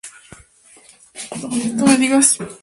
La entrada es un arco sostenido por columnas adosadas.